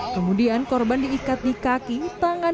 kemudian korban diikat di kaki tangan